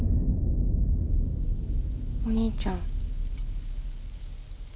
お兄ちゃん